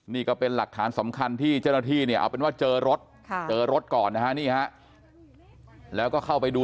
นี่ก็เป็นหลักฐานสำคัญที่เจ้าหน้าที่เนี่ยเอาเป็นว่าเจอรถเจอรถก่อนนะฮะนี่ฮะแล้วก็เข้าไปดู